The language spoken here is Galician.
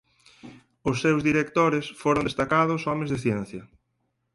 O seus directores foron destacados homes de ciencia.